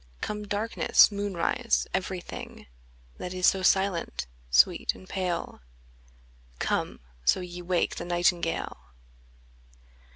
Come darkness, moonrise, every thing That is so silent, sweet, and pale: Come, so ye wake the nightingale.